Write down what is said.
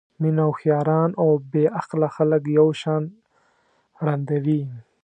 مینه هوښیاران او بې عقله خلک یو شان ړندوي.